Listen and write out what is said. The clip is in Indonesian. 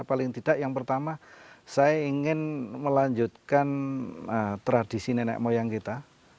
paling tidak yang pertama saya ingin melanjutkan tradisi nenek moyang kita